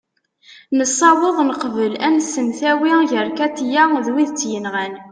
nessaweḍ neqbel ad nsemtawi gar katia d wid i tt-yenɣan